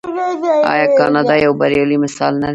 آیا کاناډا یو بریالی مثال نه دی؟